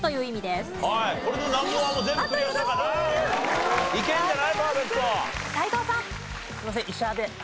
すいません医者で。